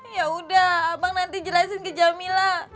yaudah abang nanti jelasin ke jamila